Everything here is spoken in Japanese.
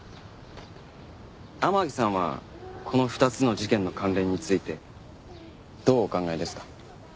天樹さんはこの２つの事件の関連についてどうお考えですか？